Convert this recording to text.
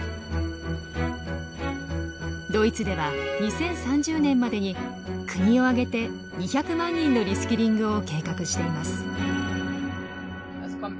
ドイツでは２０３０年までに国を挙げて２００万人のリスキリングを計画しています。